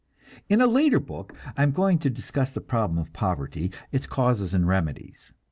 In a later book I am going to discuss the problem of poverty, its causes and remedies.